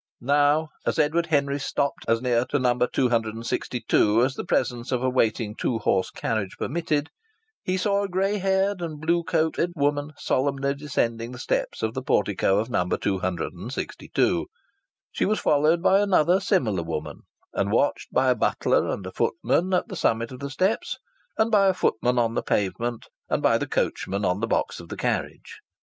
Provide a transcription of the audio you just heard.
Now as Edward Henry stopped as near to No. 262 as the presence of a waiting two horse carriage permitted, he saw a grey haired and blue cloaked woman solemnly descending the steps of the portico of No. 262. She was followed by another similar woman, and watched by a butler and a footman at the summit of the steps and by a footman on the pavement and by the coachman on the box of the carriage.